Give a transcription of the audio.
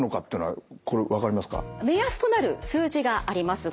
目安となる数字があります。